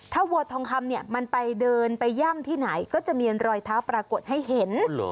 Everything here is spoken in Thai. ถ้าวัวทองคำเนี่ยมันไปเดินไปย่ำที่ไหนก็จะมีรอยเท้าปรากฏให้เห็น